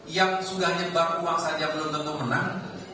yang sudah nyebab uang saja belum tentu menang